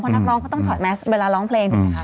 เพราะนักร้องเขาต้องถอดแมสเวลาร้องเพลง